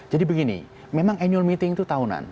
jadi begini memang annual meeting itu tahunan